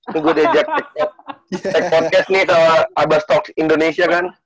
teg podcast nih sama abastalk indonesia kan